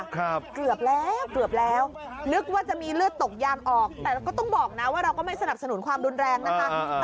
เกือบแล้วเกือบแล้วนึกว่าจะมีเลือดตกยางออกแต่ก็ต้องบอกนะว่าเราก็ไม่สนับสนุนความรุนแรงนะคะ